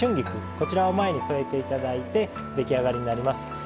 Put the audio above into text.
こちらを前に添えて頂いて出来上がりになります。